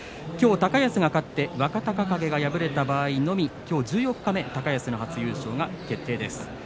きょう高安が勝って若隆景が敗れた場合の十四日目高安の初優勝が決定です。